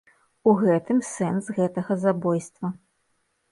У гэтым сэнс гэтага забойства.